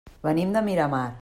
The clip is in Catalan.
Venim de Miramar.